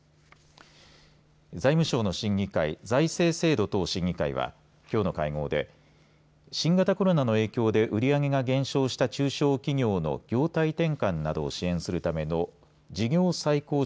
財務省の審議会財政制度等審議会ではきょうの会合で新型コロナウイルスの影響で売り上げが減少した中小企業の業態転換などを支援するための事業再構築